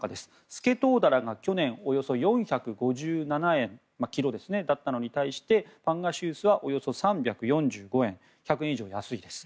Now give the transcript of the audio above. スケトウダラが去年４５７円だったのに対してｋｇだったのに対してパンガシウスはおよそ３４５円１００円以上安いです。